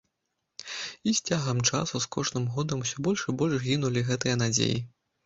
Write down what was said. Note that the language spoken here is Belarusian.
І з цягам часу, з кожным годам усё больш і больш гінулі гэтыя надзеі.